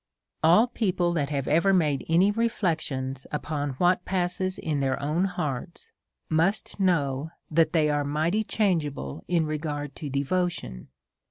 All people that have ever made any reflections upon what passes in their own hearts, must know that they are mighty changeable in regard to devotion.